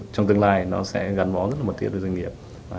trong tương lai nó sẽ gắn bó rất là mật thiệt